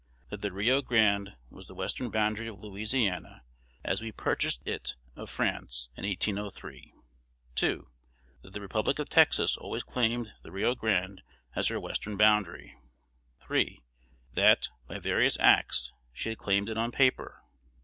That the Rio Grande was the western boundary of Louisiana, as we purchased it of France in 1803. 2. That the Republic of Texas always claimed the Rio Grande as her western boundary. 3. That, by various acts, she had claimed it on paper.